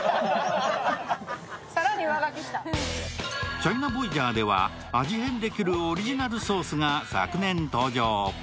チャイナボイジャーでは味変できるオリジナルソースが昨年登場。